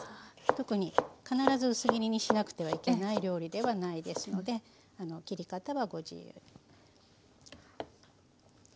特に必ず薄切りにしなくてはいけない料理ではないですので切り方はご自由に。